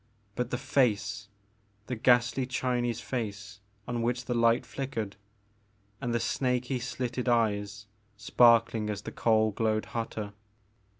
But the face !— the ghastly Chinese face on which the light flickered, — and the snaky slitted eyes, sparkling as the coal glowed hotter.